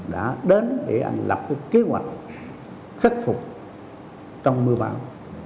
đã đến để anh lập cái kế hoạch khắc phục trong mưa bão